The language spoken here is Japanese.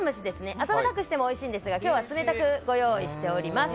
温かくしてもおいしいんですが今日は冷たくご用意しております。